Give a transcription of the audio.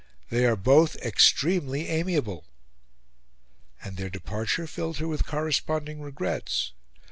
They are both extremely AMIABLE." And their departure filled her with corresponding regrets.